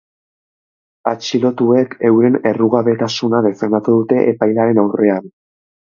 Atxilotuek euren errugabetasuna defendatu dute epailearen aurrean.